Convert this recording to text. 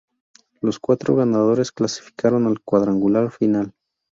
Los cuatro ganadores clasificaron al cuadrangular final.